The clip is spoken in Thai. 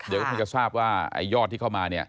เดี๋ยวก็คุณก็ทราบว่ายอดที่เข้ามา